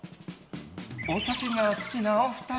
お酒が好きなお二人。